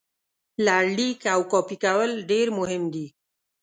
لړلیک او کاپي کول ډېر مهم دي.